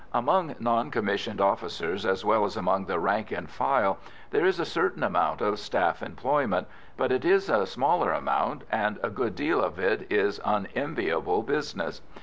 Among non commissioned officers as well as among the rank and file there is a certain amount of staff employment, but it is a smaller amount, and a good deal of it is unenviable business.